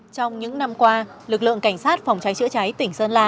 trong những năm qua lực lượng cảnh sát phòng cháy chữa cháy tỉnh sơn la